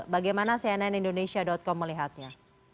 bagaimana cnn indonesia com melihatnya